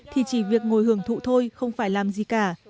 thì chỉ việc ngồi hưởng thụ thôi không phải làm gì cả